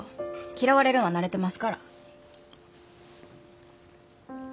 嫌われるんは慣れてますから。